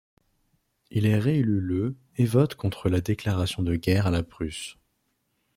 Il est réélu le et vote contre la déclaration de guerre à la Prusse.